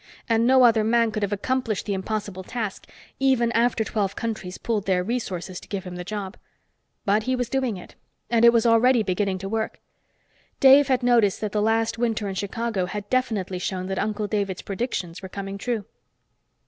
And no other man could have accomplished the impossible task, even after twelve countries pooled their resources to give him the job. But he was doing it, and it was already beginning to work. Dave had noticed that the last winter in Chicago had definitely shown that Uncle David's predictions were coming true.